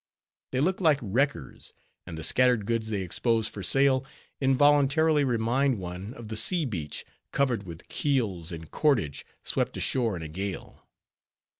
They look like wreckers; and the scattered goods they expose for sale, involuntarily remind one of the sea beach, covered with keels and cordage, swept ashore in a gale.